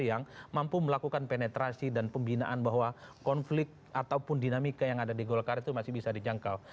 yang mampu melakukan penetrasi dan pembinaan bahwa konflik ataupun dinamika yang ada di golkar itu masih bisa dijangkau